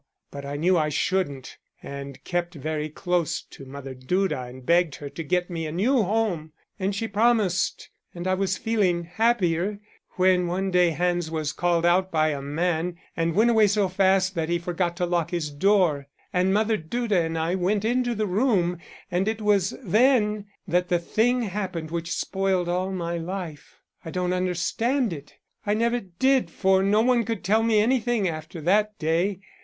But I knew I shouldn't and kept very close to Mother Duda and begged her to get me a new home, and she promised and I was feeling happier, when one day Hans was called out by a man and went away so fast that he forgot to lock his door, and Mother Duda and I went into the room, and it was then that the thing happened which spoiled all my life. I don't understand it. I never did, for no one could tell me anything after that day.